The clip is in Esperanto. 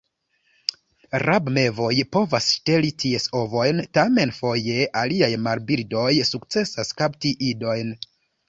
Rabmevoj povas ŝteli ties ovojn; tamen, foje aliaj marbirdoj sukcesas kapti idojn.